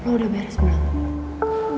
lo udah beres belum